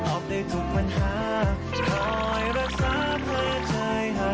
ตอบได้ทุกปัญหาอย่อนรักษาเพื่อใจ